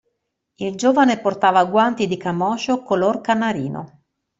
Il giovane portava guanti di camoscio color canarino.